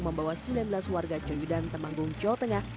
membawa sembilan belas warga joyudan temanggung jawa tengah